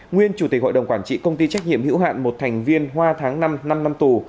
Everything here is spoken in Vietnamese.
nguyên chủ tịch hội đồng quản trị công ty trách nhiệm hữu hạn một thành viên hoa tháng năm năm tù